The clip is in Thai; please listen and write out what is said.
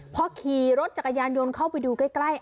พอขี่รถจักรยานยนต์เข้าไปดูใกล้